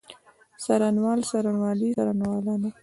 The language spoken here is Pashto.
څارنوال، څارنوالي، څارنوالانو.